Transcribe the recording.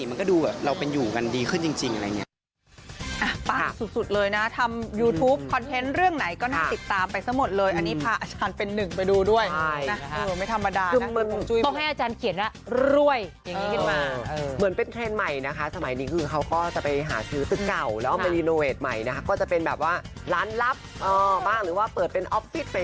มันก็ดูแบบเราเป็นอยู่กันดีขึ้นจริงอะไรอย่างนี้